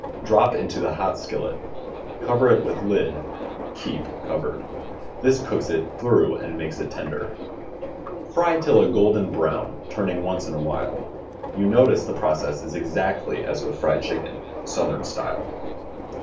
Drop into the hot skillet. Cover it with lid. Keep covered. This cooks it through and makes it tender. Fry till a golden brown, turning once in a while. You notice the process is exactly as with fried chicken. Southern style.